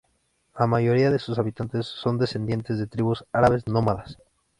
La mayoría de sus habitantes son descendientes de tribus árabes nómadas.